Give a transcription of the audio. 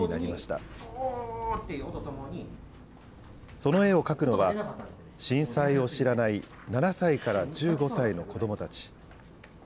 その絵を描くのは、震災を知らない７歳から１５歳の子どもたち。